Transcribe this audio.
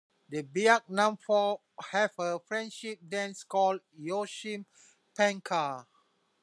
The Biak Numfor have a friendship dance called "Yosim Pancar".